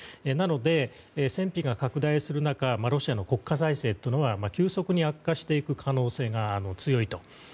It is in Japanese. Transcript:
なので、戦費が拡大する中ロシアの国家財政というのは急速に悪化していく可能性が強いと。